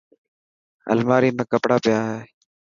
الماري ۾ ڪپڙا پيا هي.